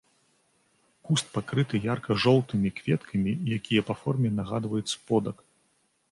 Куст пакрыты ярка-жоўтымі кветкамі, якія па форме нагадваюць сподак.